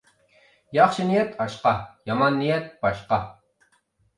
ياخشى نىيەت ئاشقا، يامان نىيەت باشقا.